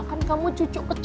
kan kamu cucu ketiga